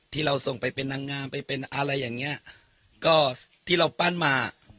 ที่เราส่งไปเป็นนางงามไปเป็นอะไรอย่างเงี้ยก็ที่เราปั้นมา